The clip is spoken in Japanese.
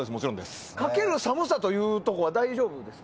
かける寒さというところは大丈夫ですか。